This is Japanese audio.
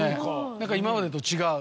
何か今までと違う。